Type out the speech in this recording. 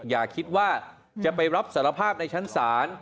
อย่าคิดว่าจะไปรับสารภาพในชั้นศาล